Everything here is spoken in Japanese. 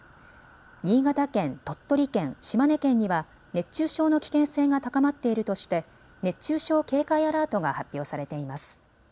新潟県、鳥取県、島根県には熱中症の危険性が高まっているとして熱中症警戒アラートが発表されています。